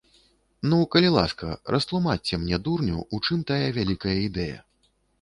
Ну, калі ласка, растлумачце, мне, дурню, у чым тая вялікая ідэя.